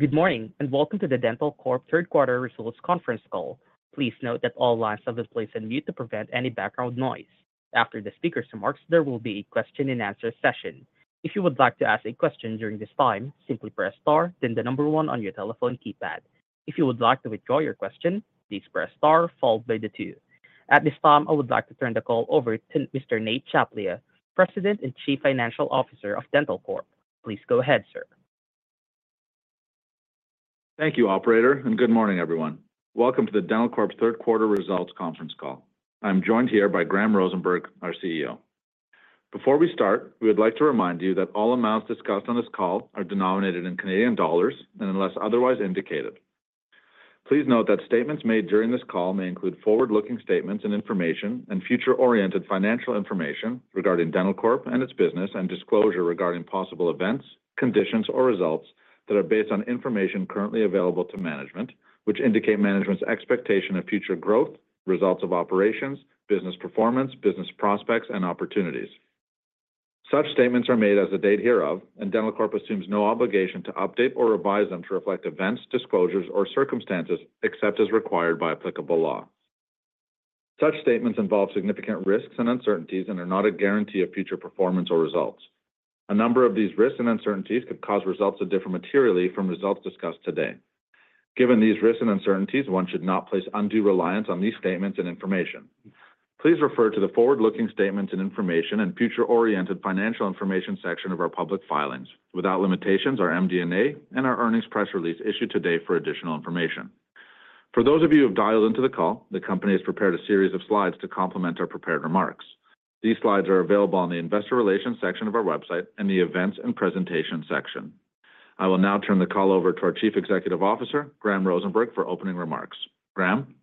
Good morning, and welcome to the Dentalcorp third quarter results conference call. Please note that all lines are displayed on mute to prevent any background noise. After the speaker's remarks, there will be a question-and-answer session. If you would like to ask a question during this time, simply press star, then the number one on your telephone keypad. If you would like to withdraw your question, please press star followed by the two. At this time, I would like to turn the call over to Mr. Nate Tchaplia, President and Chief Financial Officer of Dentalcorp. Please go ahead, sir. Thank you, Operator, and good morning, everyone. Welcome to the Dentalcorp Third Quarter Results Conference call. I'm joined here by Graham Rosenberg, our CEO. Before we start, we would like to remind you that all amounts discussed on this call are denominated in Canadian dollars, unless otherwise indicated. Please note that statements made during this call may include forward-looking statements and information and future-oriented financial information regarding Dentalcorp and its business, and disclosure regarding possible events, conditions, or results that are based on information currently available to management, which indicate management's expectation of future growth, results of operations, business performance, business prospects, and opportunities. Such statements are made as of the date hereof, and Dentalcorp assumes no obligation to update or revise them to reflect events, disclosures, or circumstances except as required by applicable law. Such statements involve significant risks and uncertainties and are not a guarantee of future performance or results. A number of these risks and uncertainties could cause results to differ materially from results discussed today. Given these risks and uncertainties, one should not place undue reliance on these statements and information. Please refer to the forward-looking statements and information and future-oriented financial information section of our public filings, without limitations, our MD&A, and our earnings press release issued today for additional information. For those of you who have dialed into the call, the company has prepared a series of slides to complement our prepared remarks. These slides are available on the Investor Relations section of our website and the Events and Presentations section. I will now turn the call over to our Chief Executive Officer, Graham Rosenberg, for opening remarks. Graham?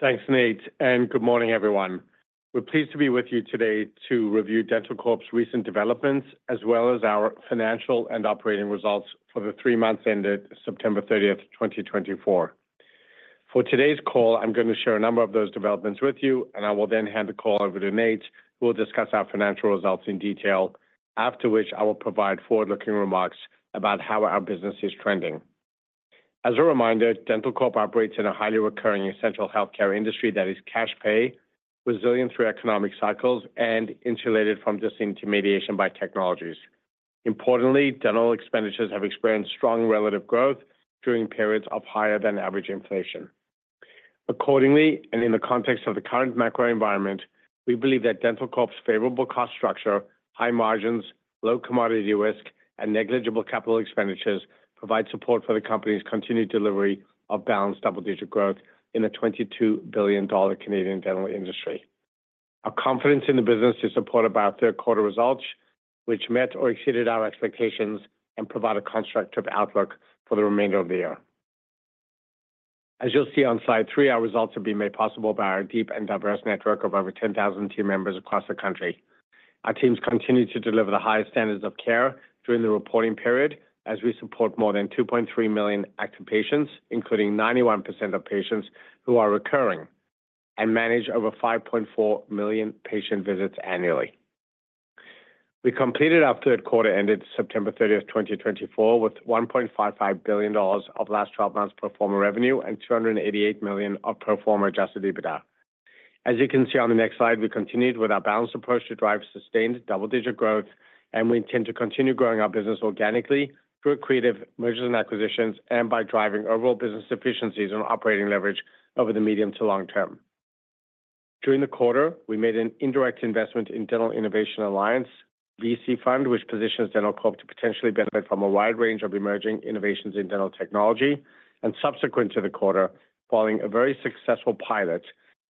Thanks, Nate, and good morning, everyone. We're pleased to be with you today to review Dentalcorp's recent developments as well as our financial and operating results for the three months ended September 30th, 2024. For today's call, I'm going to share a number of those developments with you, and I will then hand the call over to Nate, who will discuss our financial results in detail, after which I will provide forward-looking remarks about how our business is trending. As a reminder, Dentalcorp operates in a highly recurring essential healthcare industry that is cash-pay, resilient through economic cycles, and insulated from disintermediation by technologies. Importantly, dental expenditures have experienced strong relative growth during periods of higher-than-average inflation. Accordingly, and in the context of the current macro environment, we believe that Dentalcorp's favorable cost structure, high margins, low commodity risk, and negligible capital expenditures provide support for the company's continued delivery of balanced double-digit growth in the 22 billion Canadian dollars Canadian dental industry. Our confidence in the business is supported by our third quarter results, which met or exceeded our expectations and provide a constructive outlook for the remainder of the year. As you'll see on slide three, our results have been made possible by our deep and diverse network of over 10,000 team members across the country. Our teams continue to deliver the highest standards of care during the reporting period as we support more than 2.3 million active patients, including 91% of patients who are recurring, and manage over 5.4 million patient visits annually. We completed our third quarter ended September 30th, 2024, with 1.55 billion dollars of last 12 months' pro forma revenue and 288 million of pro forma adjusted EBITDA. As you can see on the next slide, we continued with our balanced approach to drive sustained double-digit growth, and we intend to continue growing our business organically through creative mergers and acquisitions and by driving overall business efficiencies and operating leverage over the medium to long term. During the quarter, we made an indirect investment in Dental Innovation Alliance VC fund, which positions Dentalcorp to potentially benefit from a wide range of emerging innovations in dental technology. Subsequent to the quarter, following a very successful pilot,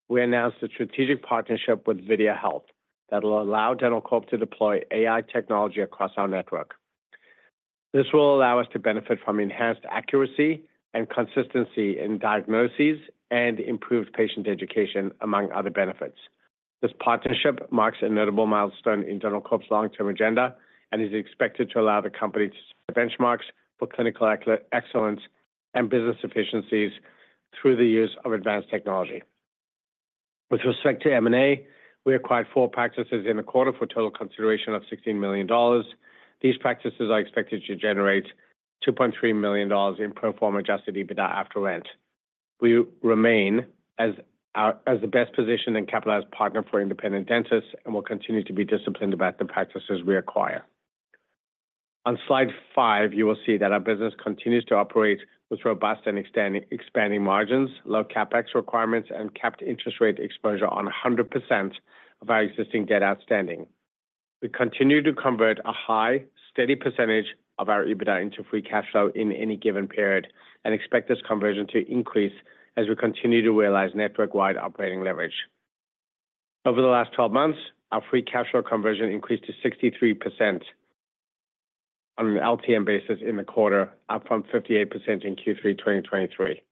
we announced a strategic partnership with VideaHealth that will allow Dentalcorp to deploy AI technology across our network. This will allow us to benefit from enhanced accuracy and consistency in diagnoses and improved patient education, among other benefits. This partnership marks a notable milestone in Dentalcorp's long-term agenda and is expected to allow the company to set benchmarks for clinical excellence and business efficiencies through the use of advanced technology. With respect to M&A, we acquired four practices in the quarter for a total consideration of 16 million dollars. These practices are expected to generate 2.3 million dollars in pro forma Adjusted EBITDA after rent. We remain as the best-positioned and capitalized partner for independent dentists and will continue to be disciplined about the practices we acquire. On slide five, you will see that our business continues to operate with robust and expanding margins, low CapEx requirements, and capped interest rate exposure on 100% of our existing debt outstanding. We continue to convert a high, steady percentage of our EBITDA into free cash flow in any given period and expect this conversion to increase as we continue to realize network-wide operating leverage. Over the last 12 months, our free cash flow conversion increased to 63% on an LTM basis in the quarter, up from 58% in Q3 2023.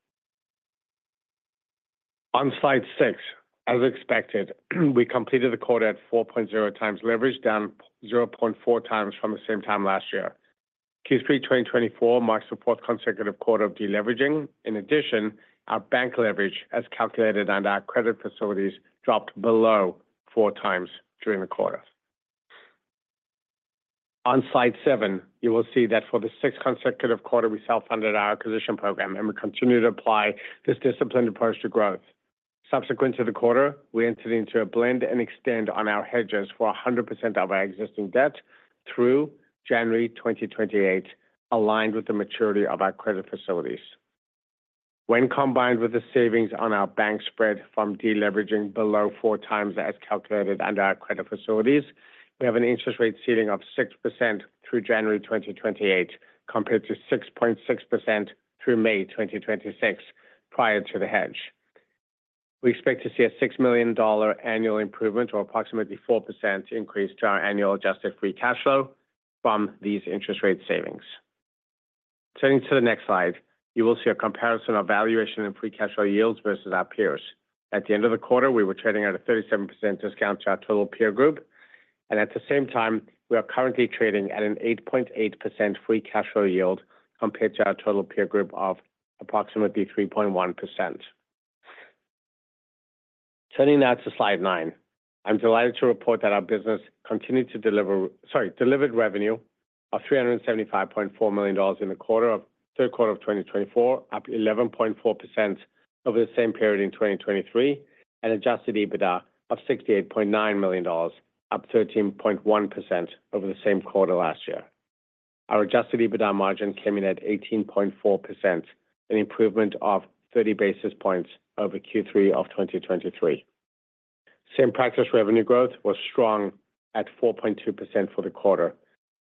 On slide six, as expected, we completed the quarter at 4.0x leverage, down 0.4x from the same time last year. Q3 2024 marks the fourth consecutive quarter of deleveraging. In addition, our bank leverage, as calculated, and our credit facilities dropped below 4x during the quarter. On slide seven, you will see that for the sixth consecutive quarter, we self-funded our acquisition program, and we continue to apply this disciplined approach to growth. Subsequent to the quarter, we entered into a blend and extend on our hedges for 100% of our existing debt through January 2028, aligned with the maturity of our credit facilities. When combined with the savings on our bank spread from deleveraging below 4x as calculated under our credit facilities, we have an interest rate ceiling of 6% through January 2028, compared to 6.6% through May 2026 prior to the hedge. We expect to see a 6 million dollar annual improvement, or approximately 4% increase to our annual adjusted free cash flow from these interest rate savings. Turning to the next slide, you will see a comparison of valuation and free cash flow yields versus our peers. At the end of the quarter, we were trading at a 37% discount to our total peer group, and at the same time, we are currently trading at an 8.8% free cash flow yield compared to our total peer group of approximately 3.1%. Turning now to slide nine, I'm delighted to report that our business continued to deliver, sorry, delivered revenue of 375.4 million dollars in the third quarter of 2024, up 11.4% over the same period in 2023, and Adjusted EBITDA of 68.9 million dollars, up 13.1% over the same quarter last year. Our Adjusted EBITDA margin came in at 18.4%, an improvement of 30 basis points over Q3 of 2023. Same practice revenue growth was strong at 4.2% for the quarter,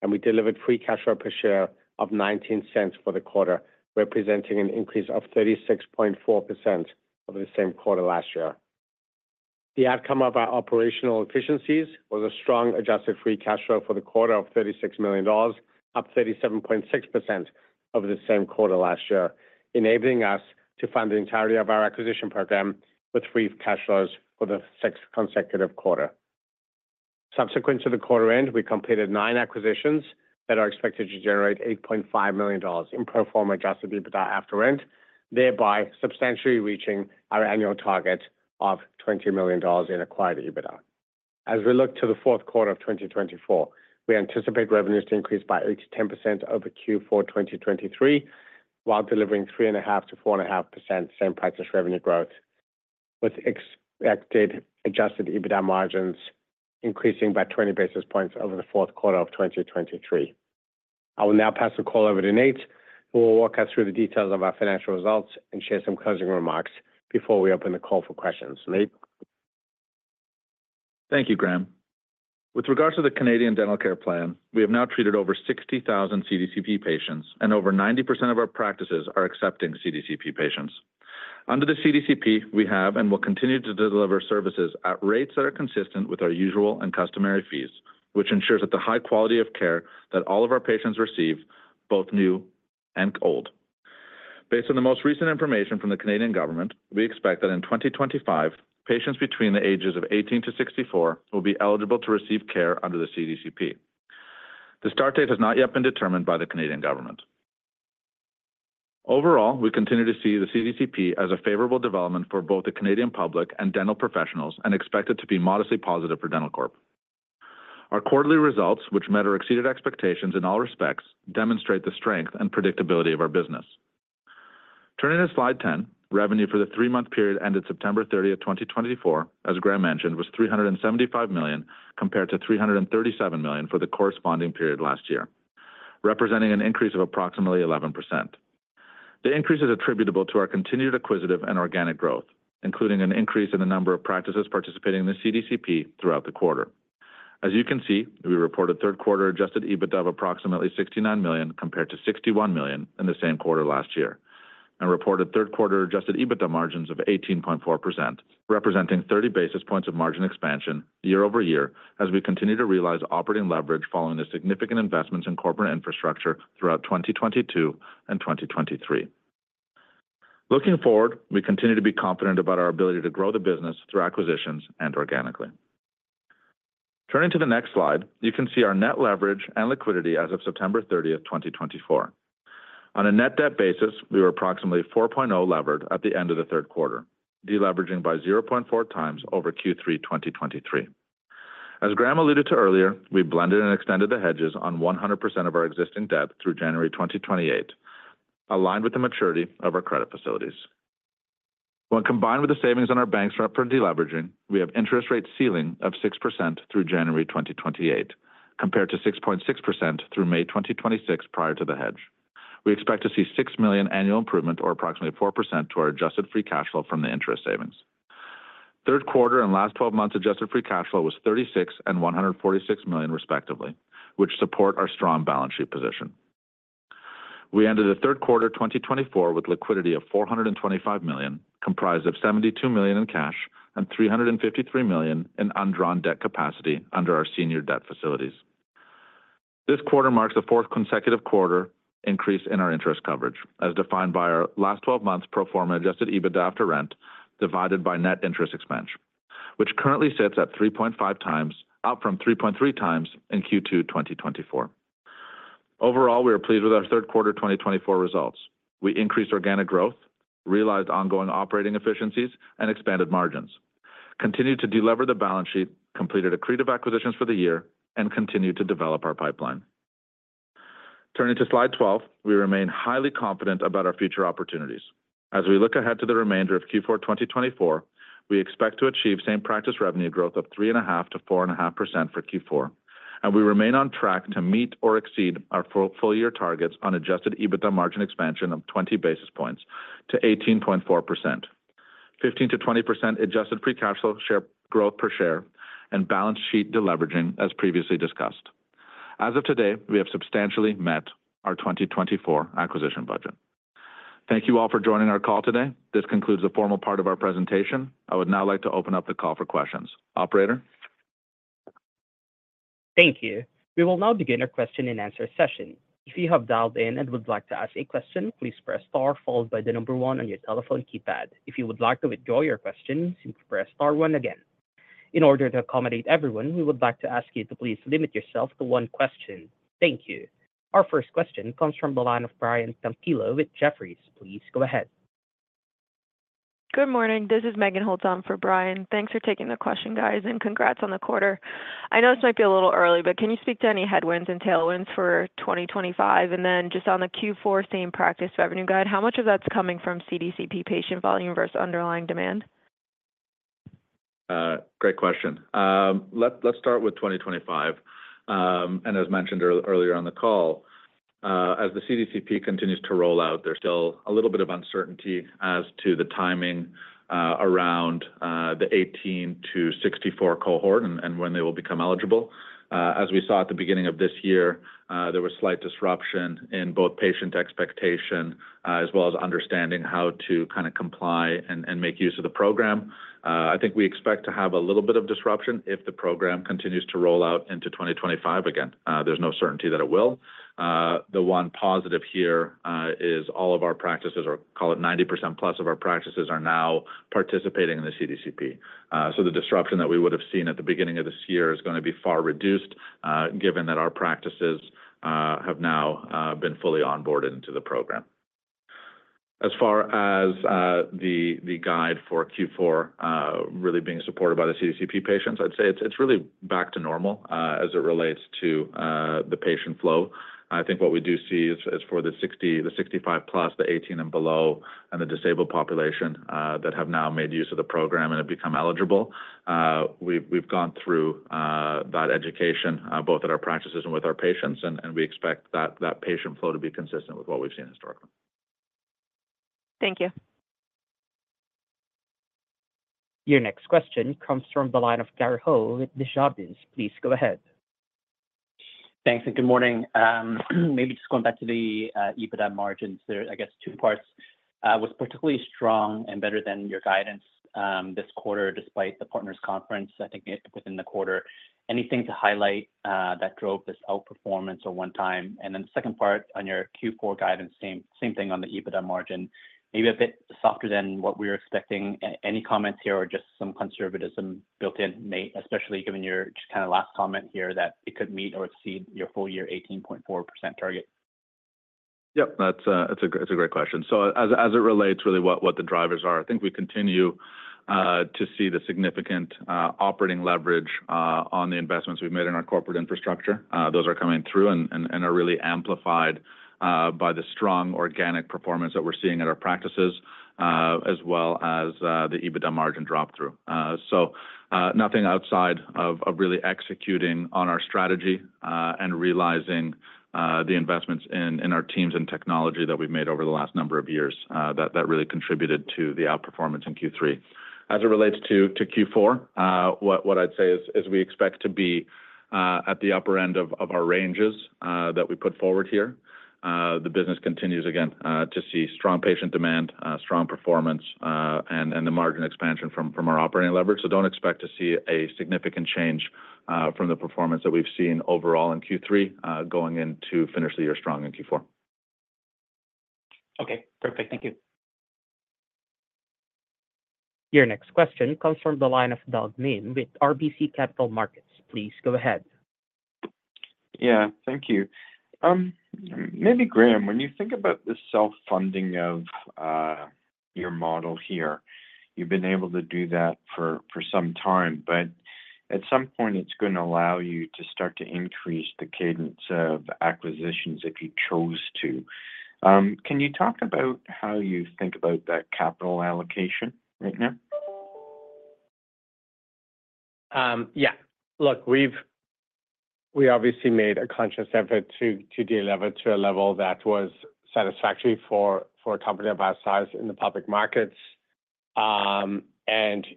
and we delivered free cash flow per share of 0.19 for the quarter, representing an increase of 36.4% over the same quarter last year. The outcome of our operational efficiencies was a strong Adjusted Free Cash Flow for the quarter of 36 million dollars, up 37.6% over the same quarter last year, enabling us to fund the entirety of our acquisition program with free cash flows for the sixth consecutive quarter. Subsequent to the quarter end, we completed nine acquisitions that are expected to generate 8.5 million dollars in pro forma Adjusted EBITDA after rent, thereby substantially reaching our annual target of 20 million dollars in acquired EBITDA. As we look to the fourth quarter of 2024, we anticipate revenues to increase by 8%-10% over Q4 2023, while delivering 3.5%-4.5% Same Practice Revenue Growth, with expected Adjusted EBITDA margins increasing by 20 basis points over the fourth quarter of 2023. I will now pass the call over to Nate, who will walk us through the details of our financial results and share some closing remarks before we open the call for questions. Nate? Thank you, Graham. With regard to the Canadian Dental Care Plan, we have now treated over 60,000 CDCP patients, and over 90% of our practices are accepting CDCP patients. Under the CDCP, we have and will continue to deliver services at rates that are consistent with our usual and customary fees, which ensures that the high quality of care that all of our patients receive, both new and old. Based on the most recent information from the Canadian government, we expect that in 2025, patients between the ages of 18 and 64 will be eligible to receive care under the CDCP. The start date has not yet been determined by the Canadian government. Overall, we continue to see the CDCP as a favorable development for both the Canadian public and dental professionals and expect it to be modestly positive for Dentalcorp. Our quarterly results, which met or exceeded expectations in all respects, demonstrate the strength and predictability of our business. Turning to slide 10, revenue for the three-month period ended September 30th, 2024, as Graham mentioned, was 375 million compared to 337 million for the corresponding period last year, representing an increase of approximately 11%. The increase is attributable to our continued acquisitive and organic growth, including an increase in the number of practices participating in the CDCP throughout the quarter. As you can see, we reported third quarter Adjusted EBITDA of approximately 69 million compared to 61 million in the same quarter last year, and reported third quarter Adjusted EBITDA margins of 18.4%, representing 30 basis points of margin expansion year over year as we continue to realize operating leverage following the significant investments in corporate infrastructure throughout 2022 and 2023. Looking forward, we continue to be confident about our ability to grow the business through acquisitions and organically. Turning to the next slide, you can see our net leverage and liquidity as of September 30th, 2024. On a net debt basis, we were approximately 4.0 levered at the end of the third quarter, deleveraging by 0.4x over Q3 2023. As Graham alluded to earlier, we blended and extended the hedges on 100% of our existing debt through January 2028, aligned with the maturity of our credit facilities. When combined with the savings on our banks for upfront deleveraging, we have interest rate ceiling of 6% through January 2028, compared to 6.6% through May 2026 prior to the hedge. We expect to see 6 million annual improvement, or approximately 4% to our adjusted free cash flow from the interest savings. Third quarter and last 12 months' adjusted free cash flow was 36 million and 146 million, respectively, which support our strong balance sheet position. We ended the third quarter 2024 with liquidity of 425 million, comprised of 72 million in cash and 353 million in undrawn debt capacity under our senior debt facilities. This quarter marks the fourth consecutive quarter increase in our interest coverage, as defined by our last 12 months' pro forma adjusted EBITDA after rent divided by net interest expense, which currently sits at 3.5x, up from 3.3x in Q2 2024. Overall, we are pleased with our third quarter 2024 results. We increased organic growth, realized ongoing operating efficiencies, and expanded margins, continued to deliver the balance sheet, completed accretive acquisitions for the year, and continued to develop our pipeline. Turning to slide 12, we remain highly confident about our future opportunities. As we look ahead to the remainder of Q4 2024, we expect to achieve same practice revenue growth of 3.5%-4.5% for Q4, and we remain on track to meet or exceed our full year targets on adjusted EBITDA margin expansion of 20 basis points to 18.4%, 15%-20% adjusted free cash flow share growth per share, and balance sheet deleveraging, as previously discussed. As of today, we have substantially met our 2024 acquisition budget. Thank you all for joining our call today. This concludes the formal part of our presentation. I would now like to open up the call for questions. Operator? Thank you. We will now begin our question and answer session. If you have dialed in and would like to ask a question, please press star followed by the number one on your telephone keypad. If you would like to withdraw your question, please press star one again. In order to accommodate everyone, we would like to ask you to please limit yourself to one question. Thank you. Our first question comes from the line of Brian Tanquilut with Jefferies. Please go ahead. Good morning. This is Meghan Holtz on for Brian. Thanks for taking the question, guys, and congrats on the quarter. I know this might be a little early, but can you speak to any headwinds and tailwinds for 2025? And then just on the Q4 same practice revenue guide, how much of that's coming from CDCP patient volume versus underlying demand? Great question. Let's start with 2025 and as mentioned earlier on the call, as the CDCP continues to roll out, there's still a little bit of uncertainty as to the timing around the 18 to 64 cohort and when they will become eligible. As we saw at the beginning of this year, there was slight disruption in both patient expectation as well as understanding how to kind of comply and make use of the program. I think we expect to have a little bit of disruption if the program continues to roll out into 2025. Again, there's no certainty that it will. The one positive here is all of our practices, or call it 90%+ of our practices, are now participating in the CDCP. So the disruption that we would have seen at the beginning of this year is going to be far reduced, given that our practices have now been fully onboarded into the program. As far as the guide for Q4 really being supported by the CDCP patients, I'd say it's really back to normal as it relates to the patient flow. I think what we do see is for the 65+, the 18 and below, and the disabled population that have now made use of the program and have become eligible. We've gone through that education both at our practices and with our patients, and we expect that patient flow to be consistent with what we've seen historically. Thank you. Your next question comes from the line of Gary Ho with Desjardins. Please go ahead. Thanks. And good morning. Maybe just going back to the EBITDA margins, there are I guess two parts. It was particularly strong and better than your guidance this quarter, despite the partners' conference, I think, within the quarter. Anything to highlight that drove this outperformance or one time? And then the second part on your Q4 guidance, same thing on the EBITDA margin, maybe a bit softer than what we were expecting. Any comments here or just some conservatism built in, Nate, especially given your just kind of last comment here that it could meet or exceed your full year 18.4% target? Yep, that's a great question. So as it relates really to what the drivers are, I think we continue to see the significant operating leverage on the investments we've made in our corporate infrastructure. Those are coming through and are really amplified by the strong organic performance that we're seeing at our practices, as well as the EBITDA margin drop-through. So nothing outside of really executing on our strategy and realizing the investments in our teams and technology that we've made over the last number of years that really contributed to the outperformance in Q3. As it relates to Q4, what I'd say is we expect to be at the upper end of our ranges that we put forward here. The business continues, again, to see strong patient demand, strong performance, and the margin expansion from our operating leverage. So, don't expect to see a significant change from the performance that we've seen overall in Q3 going into finish the year strong in Q4. Okay. Perfect. Thank you. Your next question comes from the line of Doug Miehm with RBC Capital Markets. Please go ahead. Yeah, thank you. Maybe Graham, when you think about the self-funding of your model here, you've been able to do that for some time, but at some point, it's going to allow you to start to increase the cadence of acquisitions if you chose to. Can you talk about how you think about that capital allocation right now? Yeah. Look, we obviously made a conscious effort to deliver to a level that was satisfactory for a company of our size in the public markets. And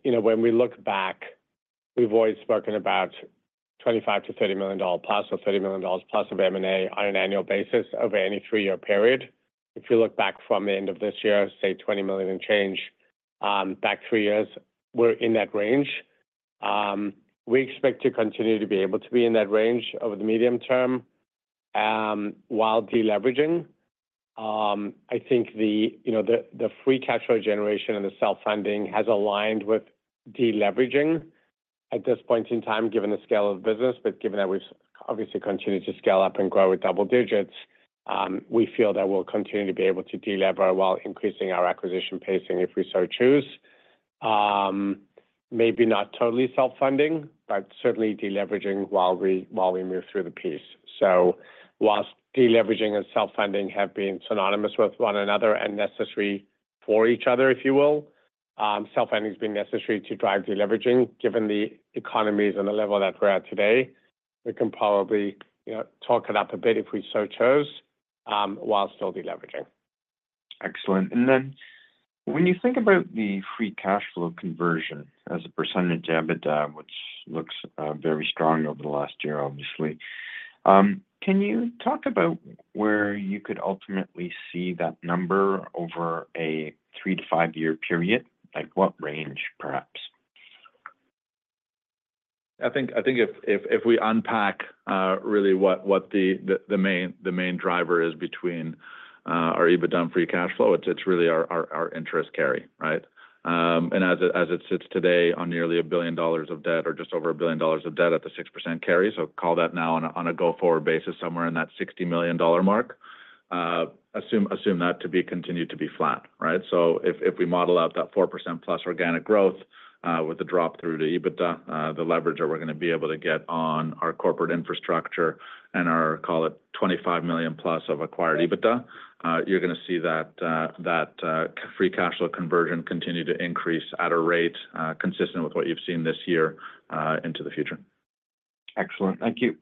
when we look back, we've always spoken about 25 to 30 million dollars+ or 30 million dollars+ of M&A on an annual basis over any three-year period. If you look back from the end of this year, say 20 million and change back three years, we're in that range. We expect to continue to be able to be in that range over the medium term while deleveraging. I think the free cash flow generation and the self-funding has aligned with deleveraging at this point in time, given the scale of the business. But given that we've obviously continued to scale up and grow at double digits, we feel that we'll continue to be able to delever while increasing our acquisition pacing if we so choose. Maybe not totally self-funding, but certainly deleveraging while we move through the pace. So while deleveraging and self-funding have been synonymous with one another and necessary for each other, if you will, self-funding has been necessary to drive deleveraging. Given the economics and the level that we're at today, we can probably dial it up a bit if we so choose while still deleveraging. Excellent. And then when you think about the free cash flow conversion as a percentage EBITDA, which looks very strong over the last year, obviously, can you talk about where you could ultimately see that number over a three- to five-year period? Like, what range, perhaps? I think if we unpack really what the main driver is between our EBITDA and free cash flow, it's really our interest carry, right? And as it sits today on nearly 1 billion dollars of debt or just over 1 billion dollars of debt at the 6% carry, so call that now on a go-forward basis somewhere in that 60 million dollar mark, assume that to continue to be flat, right? So if we model out that 4%+ organic growth with the drop-through to EBITDA, the leverage that we're going to be able to get on our corporate infrastructure and our, call it, 25 million+ of acquired EBITDA, you're going to see that free cash flow conversion continue to increase at a rate consistent with what you've seen this year into the future. Excellent. Thank you.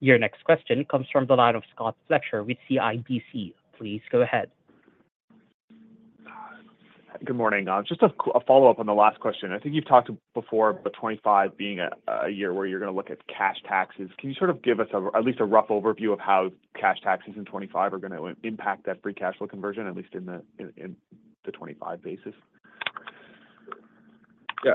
Your next question comes from the line of Scott Fletcher with CIBC. Please go ahead. Good morning. Just a follow-up on the last question. I think you've talked before about 2025 being a year where you're going to look at cash taxes. Can you sort of give us at least a rough overview of how cash taxes in 2025 are going to impact that free cash flow conversion, at least in the 2025 basis? Yeah.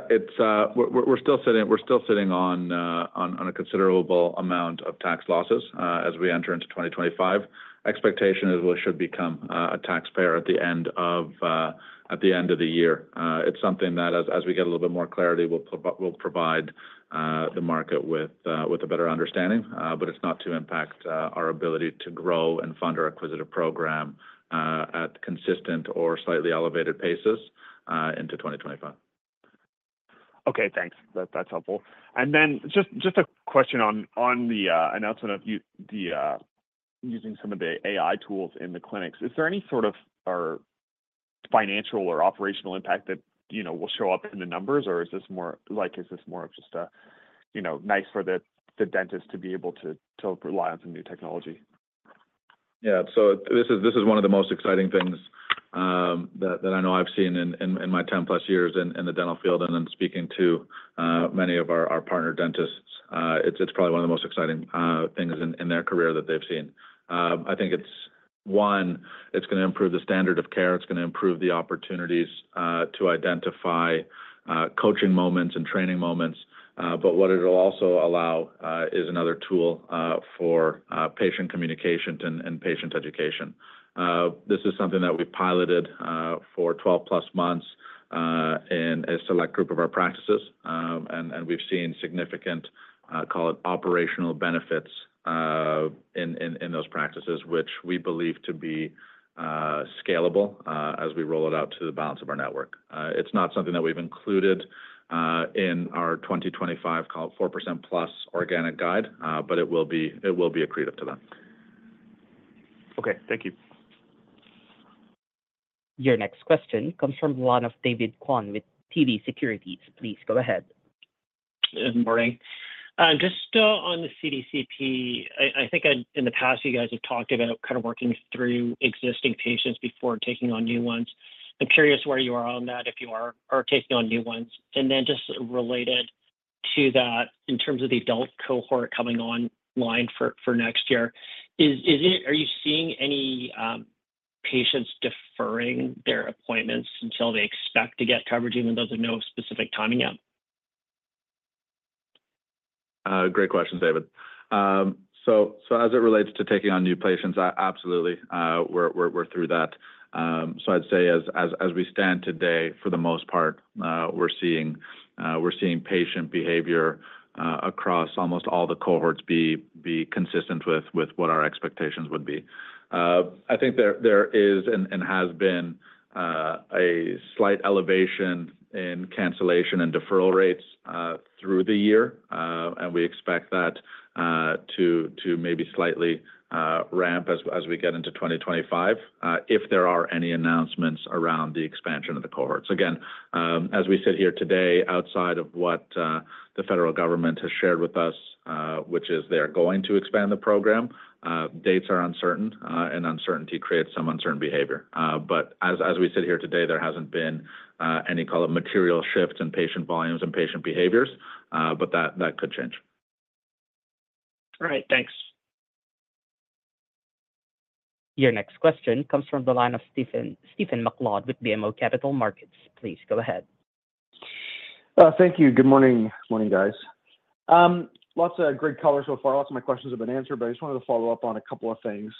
We're still sitting on a considerable amount of tax losses as we enter into 2025. Expectation is we should become a taxpayer at the end of the year. It's something that, as we get a little bit more clarity, we'll provide the market with a better understanding, but it's not to impact our ability to grow and fund our acquisition program at consistent or slightly elevated paces into 2025. Okay. Thanks. That's helpful. And then just a question on the announcement of using some of the AI tools in the clinics. Is there any sort of financial or operational impact that will show up in the numbers, or is this more of just nice for the dentist to be able to rely on some new technology? Yeah. So this is one of the most exciting things that I know I've seen in my 10+ years in the dental field and then speaking to many of our partner dentists. It's probably one of the most exciting things in their career that they've seen. I think it's, one, it's going to improve the standard of care. It's going to improve the opportunities to identify coaching moments and training moments. But what it'll also allow is another tool for patient communication and patient education. This is something that we've piloted for 12+ months in a select group of our practices, and we've seen significant, call it, operational benefits in those practices, which we believe to be scalable as we roll it out to the balance of our network. It's not something that we've included in our 2025, call it, 4%+ organic guide, but it will be accretive to that. Okay. Thank you. Your next question comes from the line of David Kwan with TD Securities. Please go ahead. Good morning. Just on the CDCP, I think in the past, you guys have talked about kind of working through existing patients before taking on new ones. I'm curious where you are on that if you are taking on new ones? And then just related to that, in terms of the adult cohort coming online for next year, are you seeing any patients deferring their appointments until they expect to get coverage even though there's no specific timing yet? Great question, David. So as it relates to taking on new patients, absolutely. We're through that. So I'd say as we stand today, for the most part, we're seeing patient behavior across almost all the cohorts be consistent with what our expectations would be. I think there is and has been a slight elevation in cancellation and deferral rates through the year, and we expect that to maybe slightly ramp as we get into 2025 if there are any announcements around the expansion of the cohorts. Again, as we sit here today, outside of what the federal government has shared with us, which is they're going to expand the program, dates are uncertain, and uncertainty creates some uncertain behavior. But as we sit here today, there hasn't been any, call it, material shifts in patient volumes and patient behaviors, but that could change. All right. Thanks. Your next question comes from the line of Stephen MacLeod with BMO Capital Markets. Please go ahead. Thank you. Good morning, guys. Lots of great callers so far. Lots of my questions have been answered, but I just wanted to follow up on a couple of things.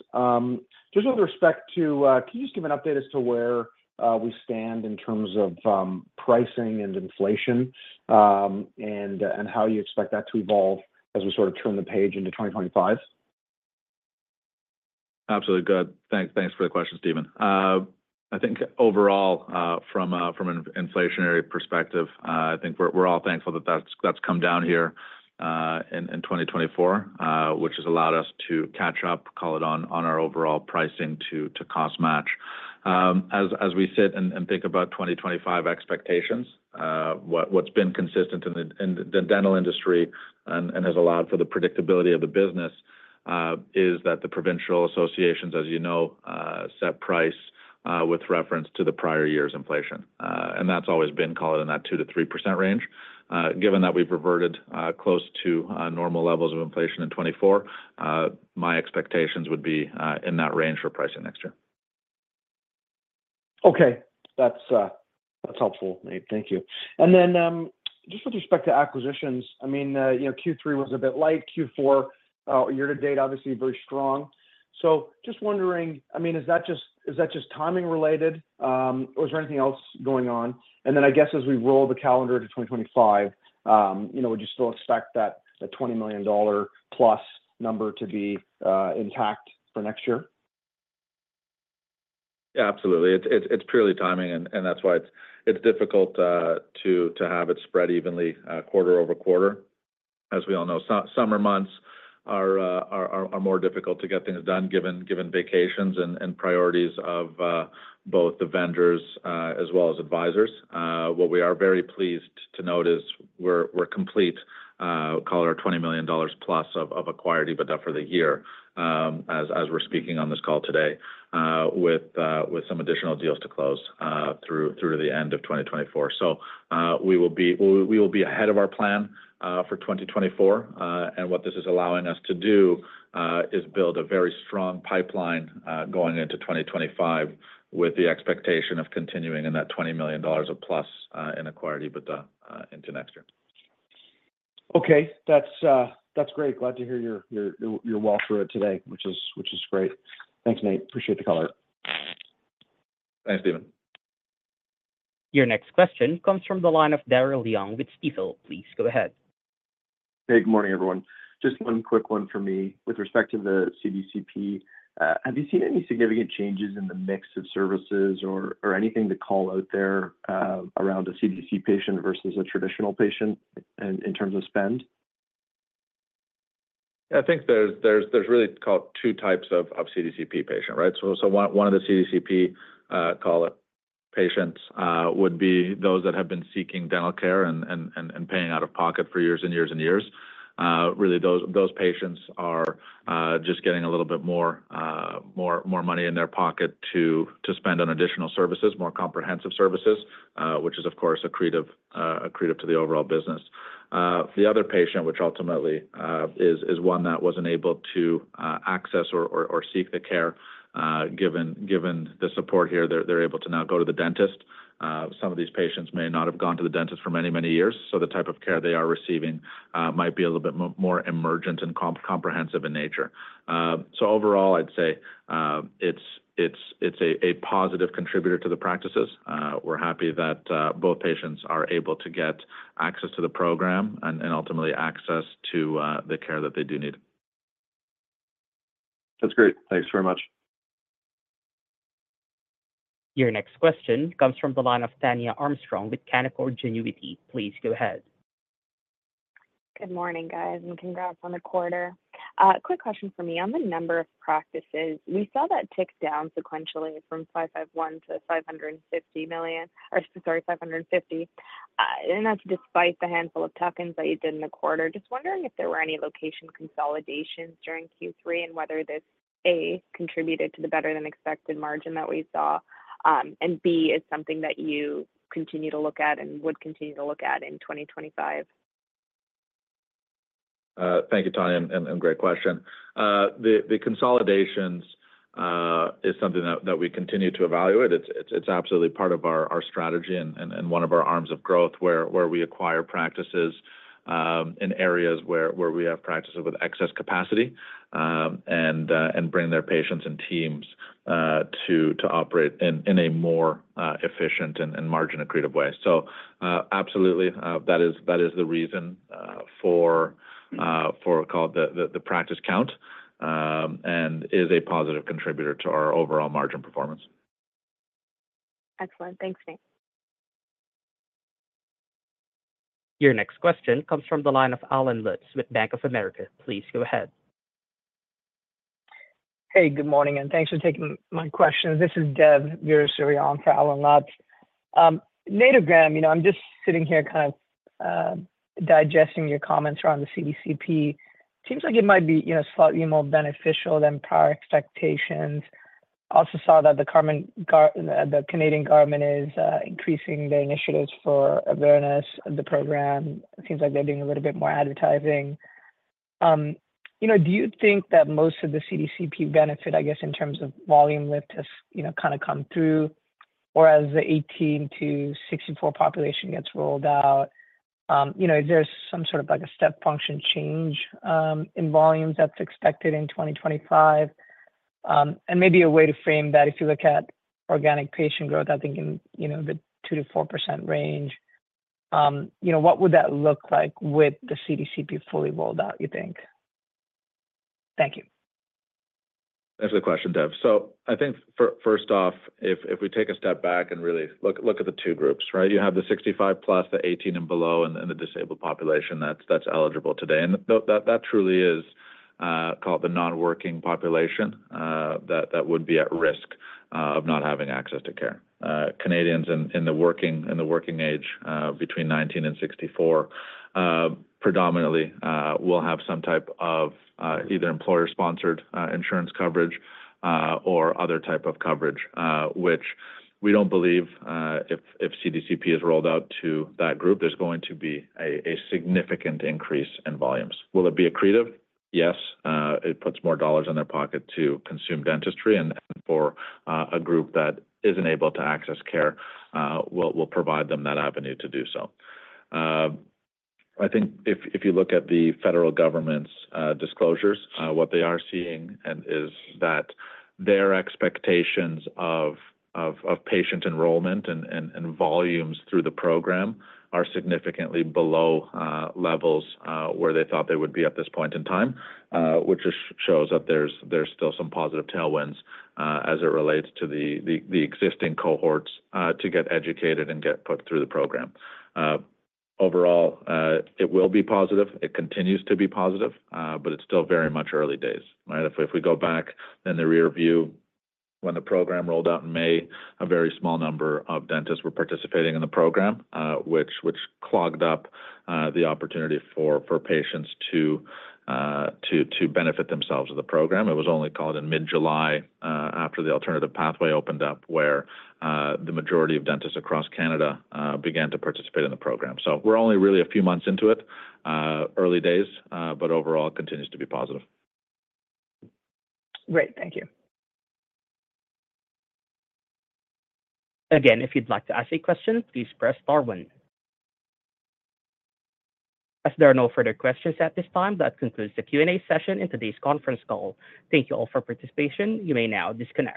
Just with respect to, can you just give an update as to where we stand in terms of pricing and inflation and how you expect that to evolve as we sort of turn the page into 2025? Absolutely good. Thanks for the question, Stephen. I think overall, from an inflationary perspective, I think we're all thankful that that's come down here in 2024, which has allowed us to catch up, call it, on our overall pricing to cost match. As we sit and think about 2025 expectations, what's been consistent in the dental industry and has allowed for the predictability of the business is that the provincial associations, as you know, set price with reference to the prior year's inflation. And that's always been, call it, in that 2%-3% range. Given that we've reverted close to normal levels of inflation in 2024, my expectations would be in that range for pricing next year. Okay. That's helpful, Nate. Thank you. And then just with respect to acquisitions, I mean, Q3 was a bit light. Q4, year to date, obviously very strong. So just wondering, I mean, is that just timing related, or is there anything else going on? And then I guess as we roll the calendar to 2025, would you still expect that 20 million dollar+ number to be intact for next year? Yeah, absolutely. It's purely timing, and that's why it's difficult to have it spread evenly quarter over quarter. As we all know, summer months are more difficult to get things done given vacations and priorities of both the vendors as well as advisors. What we are very pleased to note is we're complete, call it, our 20 million dollars plus of acquired EBITDA for the year as we're speaking on this call today with some additional deals to close through to the end of 2024. So we will be ahead of our plan for 2024. And what this is allowing us to do is build a very strong pipeline going into 2025 with the expectation of continuing in that 20 million dollars plus in acquired EBITDA into next year. Okay. That's great. Glad to hear you're well through it today, which is great. Thanks, Nate. Appreciate the caller. Thanks, Stephen. Your next question comes from the line of Daryl Young with Stifel. Please go ahead. Hey, good morning, everyone. Just one quick one from me with respect to the CDCP. Have you seen any significant changes in the mix of services or anything to call out there around a CDCP patient versus a traditional patient in terms of spend? Yeah. I think there's really, call it, two types of CDCP patient, right? So one of the CDCP, call it, patients would be those that have been seeking dental care and paying out of pocket for years and years and years. Really, those patients are just getting a little bit more money in their pocket to spend on additional services, more comprehensive services, which is, of course, accretive to the overall business. The other patient, which ultimately is one that wasn't able to access or seek the care given the support here, they're able to now go to the dentist. Some of these patients may not have gone to the dentist for many, many years, so the type of care they are receiving might be a little bit more emergent and comprehensive in nature. So overall, I'd say it's a positive contributor to the practices. We're happy that both patients are able to get access to the program and ultimately access to the care that they do need. That's great. Thanks very much. Your next question comes from the line of Tania Armstrong with Canaccord Genuity. Please go ahead. Good morning, guys, and congrats on the quarter. Quick question for me. On the number of practices, we saw that tick down sequentially from 551 to 550 million or, sorry, 550. And that's despite the handful of tuck-ins that you did in the quarter. Just wondering if there were any location consolidations during Q3 and whether this, A, contributed to the better-than-expected margin that we saw, and, B, is something that you continue to look at and would continue to look at in 2025? Thank you, Tania. Great question. The consolidations is something that we continue to evaluate. It's absolutely part of our strategy and one of our arms of growth where we acquire practices in areas where we have practices with excess capacity and bring their patients and teams to operate in a more efficient and margin-accretive way. Absolutely, that is the reason for, call it, the practice count and is a positive contributor to our overall margin performance. Excellent. Thanks, Nate. Your next question comes from the line of Allen Lutz with Bank of America. Please go ahead. Hey, good morning, and thanks for taking my questions. This is Dev Weerasuriya for Allen Lutz. Nate or Graham, I'm just sitting here kind of digesting your comments around the CDCP. It seems like it might be slightly more beneficial than prior expectations. Also saw that the Canadian government is increasing their initiatives for awareness of the program. It seems like they're doing a little bit more advertising. Do you think that most of the CDCP benefit, I guess, in terms of volume lift has kind of come through, or as the 18 to 64 population gets rolled out, is there some sort of a step function change in volumes that's expected in 2025? And maybe a way to frame that, if you look at organic patient growth, I think in the 2%-4% range, what would that look like with the CDCP fully rolled out, you think? Thank you. Thanks for the question, Dev, so I think, first off, if we take a step back and really look at the two groups, right? You have the 65 plus, the 18 and below, and the disabled population that's eligible today, and that truly is, call it, the non-working population that would be at risk of not having access to care. Canadians in the working age between 19 and 64 predominantly will have some type of either employer-sponsored insurance coverage or other type of coverage, which we don't believe, if CDCP is rolled out to that group, there's going to be a significant increase in volumes. Will it be accretive? Yes. It puts more dollars in their pocket to consume dentistry, and for a group that isn't able to access care, will provide them that avenue to do so. I think if you look at the federal government's disclosures, what they are seeing is that their expectations of patient enrollment and volumes through the program are significantly below levels where they thought they would be at this point in time, which just shows that there's still some positive tailwinds as it relates to the existing cohorts to get educated and get put through the program. Overall, it will be positive. It continues to be positive, but it's still very much early days, right? If we go back in the rearview, when the program rolled out in May, a very small number of dentists were participating in the program, which clogged up the opportunity for patients to benefit themselves with the program. It was only, call it, in mid-July after the alternative pathway opened up where the majority of dentists across Canada began to participate in the program. We're only really a few months into it, early days, but overall, it continues to be positive. Great. Thank you. Again, if you'd like to ask a question, please press star one. As there are no further questions at this time, that concludes the Q&A session in today's conference call. Thank you all for participation. You may now disconnect.